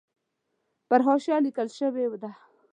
پر حاشیه لیکل شوې ده.